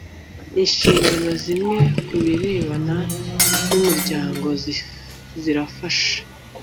inshingano zimwe kubirebana n umuryango zirafasha